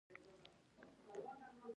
معلومه وه چې رييس به مورګان و او پاتې به شي